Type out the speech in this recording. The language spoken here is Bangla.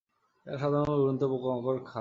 এরা সাধারণত উড়ন্ত পোকামাকড় খায়।